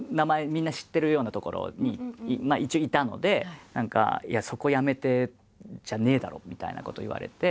みんな知ってるようなところに一応いたのでそこを辞めてじゃねえだろみたいなこと言われて。